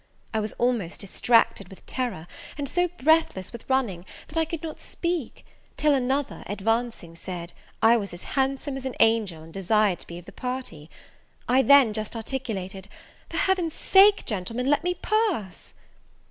I was almost distracted with terror, and so breathless with running, that I could not speak; till another, advancing, said, I was as handsome as an angel, and desired to be of the party. I then just articulated, "For Heaven's sake, gentlemen, let me pass!"